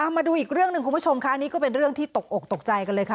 มาดูอีกเรื่องหนึ่งคุณผู้ชมค่ะนี่ก็เป็นเรื่องที่ตกอกตกใจกันเลยค่ะ